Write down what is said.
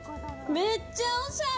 めっちゃおしゃれ！